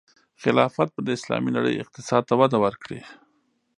خلافت به د اسلامي نړۍ اقتصاد ته وده ورکړي.